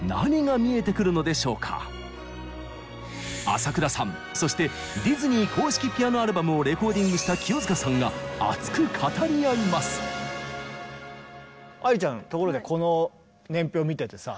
浅倉さんそしてディズニー公式ピアノアルバムをレコーディングした清塚さんが愛ちゃんところでこの年表見ててさ。